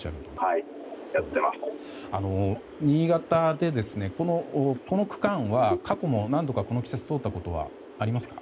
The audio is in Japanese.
新潟の、この区間は過去も何度か、この季節通ったことはありますか？